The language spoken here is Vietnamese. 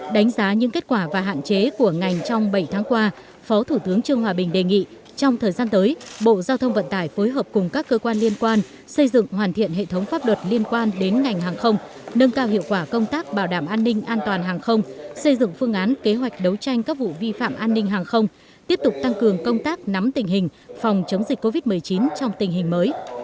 đánh giá những kết quả và hạn chế của ngành trong bảy tháng qua phó thủ tướng trương hòa bình đề nghị trong thời gian tới bộ giao thông vận tải phối hợp cùng các cơ quan liên quan xây dựng hoàn thiện hệ thống pháp luật liên quan đến ngành hàng không nâng cao hiệu quả công tác bảo đảm an ninh an toàn hàng không xây dựng phương án kế hoạch đấu tranh các vụ vi phạm an ninh hàng không tiếp tục tăng cường công tác nắm tình hình phòng chống dịch covid một mươi chín trong tình hình mới